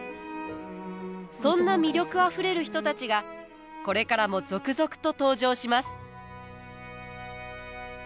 そんな魅力あふれる人たちがこれからも続々と登場します。